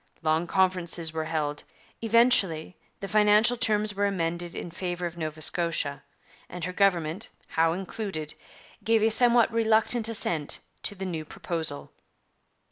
Long conferences were held. Eventually the financial terms were amended in favour of Nova Scotia, and her government, Howe included, gave a somewhat reluctant assent to the new proposal.